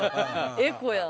エコやん。